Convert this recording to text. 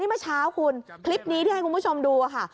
เมื่อเช้าคุณคลิปนี้ที่ให้คุณผู้ชมดูค่ะ